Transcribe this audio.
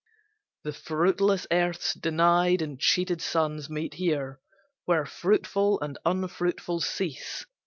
The fruitless earth's denied and cheated sons Meet here, where fruitful and unfruitful cease.